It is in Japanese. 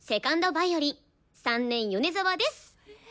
ヴァイオリン３年米沢でっす。